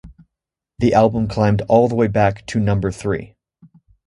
The album climbed all the way back to number three.